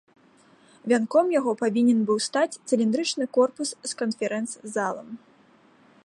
Вянком яго павінен быў стаць цыліндрычны корпус з канферэнц-залом.